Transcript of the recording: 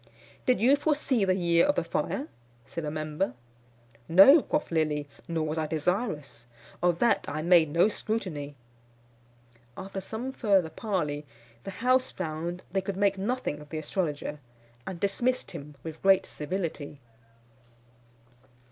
"Did you foresee the year of the fire?" said a member. "No," quoth Lilly, "nor was I desirous. Of that I made no scrutiny." After some further parley, the house found they could make nothing of the astrologer, and dismissed him with great civility.